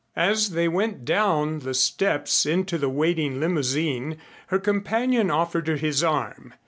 As they went down the steps into the waiting limousine her companion offered her his arm.